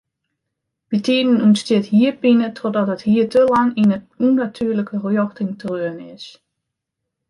Bytiden ûntstiet hierpine trochdat it hier te lang yn in ûnnatuerlike rjochting treaun is.